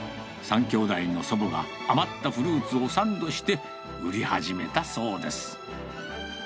３兄弟の祖母が余ったフルーツをサンドして売り始めたそうです。